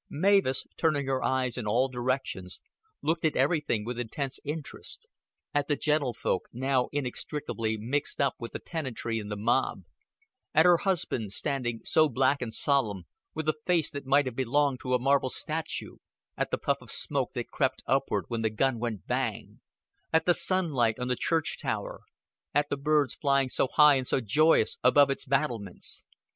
Mavis, turning her eyes in all directions, looked at everything with intense interest at the gentlefolk, now inextricably mixed up with the tenantry and the mob; at her husband, standing so black and solemn, with a face that might have belonged to a marble statue; at the puff of smoke that crept upward when the gun went bang, at the sunlight on the church tower, at the birds flying so high and so joyous above its battlements.